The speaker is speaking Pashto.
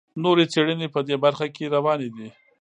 نورې څېړنې په دې برخه کې روانې دي.